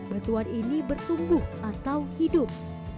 batuan ini bertumbuh atau hidup